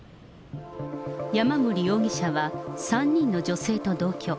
山森容疑者は３人の女性と同居。